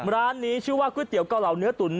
ร้านนี้ชื่อว่าก๋วยเตี๋ยวเกาเหลาเนื้อตุ๋น